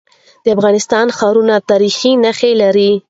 د افغانستان ښارونه تاریخي نښي لري.